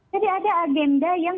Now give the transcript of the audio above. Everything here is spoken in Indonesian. jadi ada agenda yang